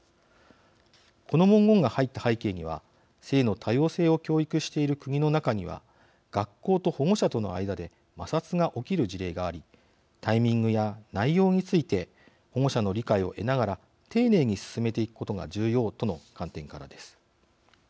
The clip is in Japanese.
この文言が入った背景には性の多様性を教育している国の中には学校と保護者との間で摩擦が起きる事例がありタイミングや内容について保護者の理解を得ながら丁寧に進めていくことが重要との観点からです。